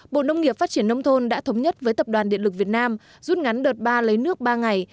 bộ nông nghiệp phát triển nông thôn đã thống nhất với tập đoàn điện lực việt nam rút ngắn đợt ba lấy nước ba ngày